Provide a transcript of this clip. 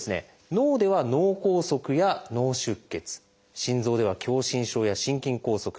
脳では脳梗塞や脳出血心臓では狭心症や心筋梗塞。